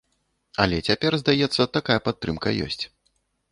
Але цяпер, здаецца, такая падтрымка ёсць.